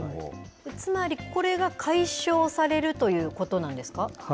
つまり、これが解消されるということなんですか？